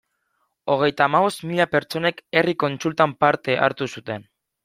Hogeita hamabost mila pertsonek herri kontsultan parte hartu zuten.